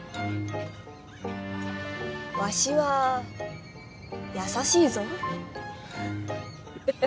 「わしは優しいぞ」。